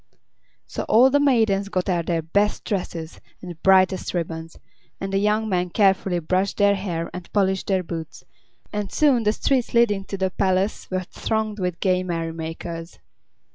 So all the maidens got out their best dresses and brightest ribbons, and the young men carefully brushed their hair and polished their boots, and soon the streets leading to the palace were thronged with gay merry makers.